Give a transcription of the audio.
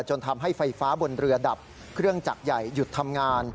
จนทำให้ไฟฟ้าบนเรือดับเครื่องจักรใหญ่หยุดทำงาน